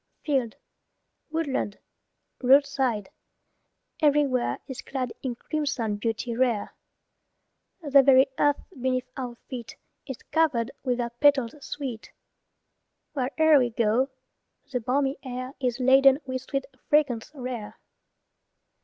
Field, woodland, roadside, everywhere, Is clad in crimson beauty rare. The very earth beneath our feet Is covered with their petals sweet; Where'er we go the balmy air Is laden with sweet fragrance rare.